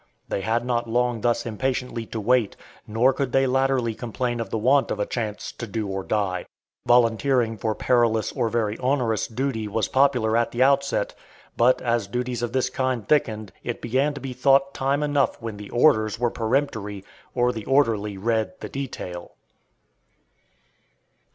They had not long thus impatiently to wait, nor could they latterly complain of the want of a chance "to do or die." Volunteering for perilous or very onerous duty was popular at the outset, but as duties of this kind thickened it began to be thought time enough when the "orders" were peremptory, or the orderly read the "detail."